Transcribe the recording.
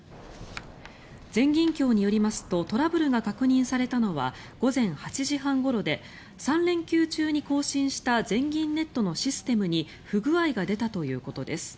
全銀協によりますとトラブルが確認されたのは午前８時半ごろで３連休中に更新した全銀ネットのシステムに不具合が出たということです。